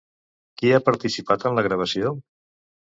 Qui ha participat en la gravació?